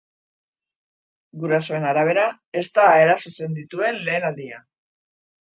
Gurasoen arabera, ez da erasotzen dituen lehen aldia.